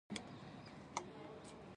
عرض یې ونه مانه.